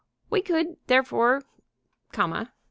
We could, therefore, comma